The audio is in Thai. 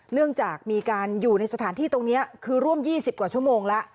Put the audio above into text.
เนื่องจากมีการอยู่ในสถานที่ตรงนี้คือร่วม๒๐กว่าชั่วโมงแล้ว